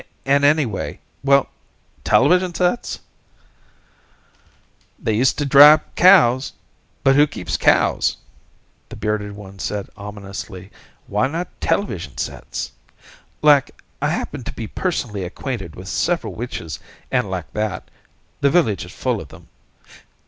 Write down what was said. And anyway ... well, television sets!" "They used to dry up cows, but who keeps cows?" the bearded one said ominously. "Why not television sets? Like, I happen to be personally acquainted with several witches and like that. The Village is full of them.